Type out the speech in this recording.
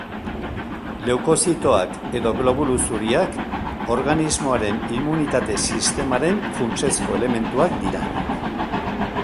Leukozitoak edo globulu zuriak organismoaren immunitate-sistemaren funtsezko elementuak dira.